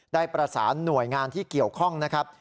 ได้ประสานหน่วยงานที่เกี่ยวข้องนะครับ